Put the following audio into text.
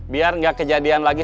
biar gak kejadian lagi